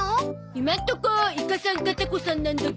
今んとこイカさんかタコさんなんだけど。